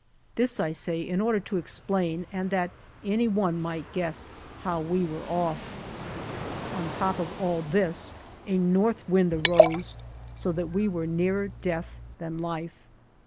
This I say in order to explain and that any one might guess how we were off. On top of all this, a north wind arose, so that we were nearer death than life.